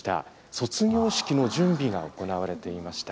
卒業式の準備が行われていました。